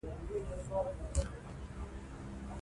سیاسي توافق شخړې راکموي